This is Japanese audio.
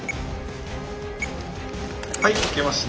はいいけました。